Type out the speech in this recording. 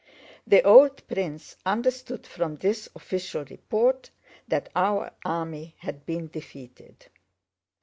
The old prince understood from this official report that our army had been defeated.